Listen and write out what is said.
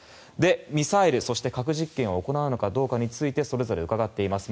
ミサイル、そして核実験を行うのかどうかについてそれぞれ伺っています。